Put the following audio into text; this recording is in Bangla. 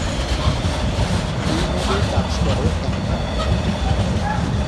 এভাবেই কাজ করে একতারা।